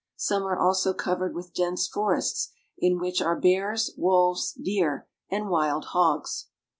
Some are also covered with dense forests, in which are bears, wolves, deer, and wild hogs.